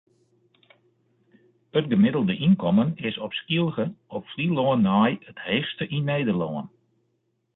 It gemiddelde ynkommen is op Skylge op Flylân nei it heechste yn Nederlân.